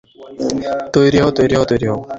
তৈরি হও, তৈরি হও, তৈরি হও।